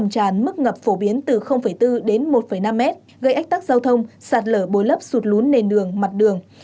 tràn mức ngập phổ biến từ bốn đến một năm mét gây ách tắc giao thông sạt lở bồi lấp sụt lún nền đường mặt đường